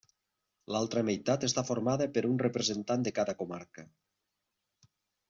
L'altra meitat està formada per un representant de cada comarca.